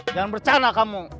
jangan bercana kamu